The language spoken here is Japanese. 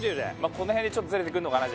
このへんでちょっとズレてくるのかな